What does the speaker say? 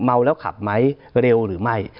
เมาแล้วขับไหมเร็วหรือไม่